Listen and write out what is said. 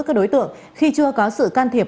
các đối tượng khi chưa có sự can thiệp